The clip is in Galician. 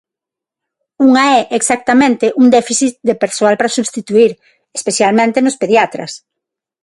Unha é, exactamente, un déficit de persoal para substituír, especialmente nos pediatras.